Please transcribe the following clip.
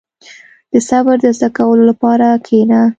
• د صبر د زده کولو لپاره کښېنه.